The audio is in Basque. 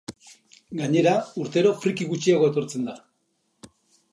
Gainera, urtero friki gutxiago etortzen da.